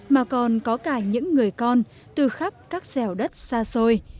mà còn có cả những người con từ khắp các dẻo đất xa xôi